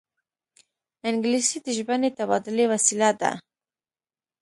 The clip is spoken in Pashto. انګلیسي د ژبني تبادلې وسیله ده